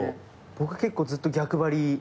僕結構ずっと逆張りしてて。